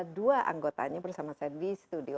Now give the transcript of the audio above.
dua anggotanya bersama saya di studio